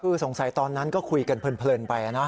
คือสงสัยตอนนั้นก็คุยกันเพลินไปนะ